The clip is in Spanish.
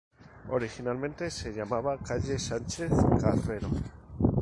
Originalmente se llamaba Calle Sánchez Carrero.